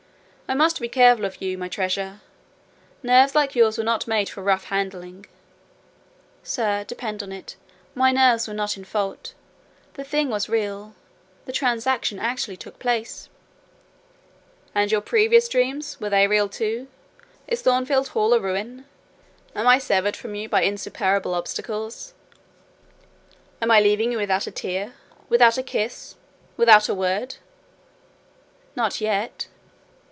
I must be careful of you, my treasure: nerves like yours were not made for rough handling." "Sir, depend on it, my nerves were not in fault; the thing was real: the transaction actually took place." "And your previous dreams, were they real too? Is Thornfield Hall a ruin? Am I severed from you by insuperable obstacles? Am I leaving you without a tear—without a kiss—without a word?" "Not yet."